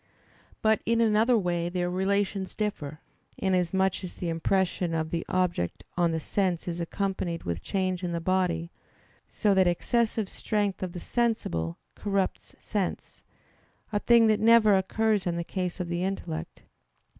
But in another way their relations differ, inasmuch as the impression of the object on the sense is accompanied with change in the body; so that excessive strength of the sensible corrupts sense; a thing that never occurs in the case of the intellect.